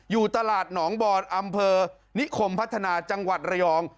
อยู่ตลาดหนองบอนอำเภอนิคมพัฒนาจังหวัดระยอง